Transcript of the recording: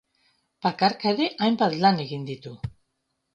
Bakarka ere hainbat lan egin ditu.